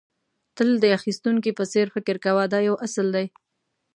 تل د اخيستونکي په څېر فکر کوه دا یو اصل دی.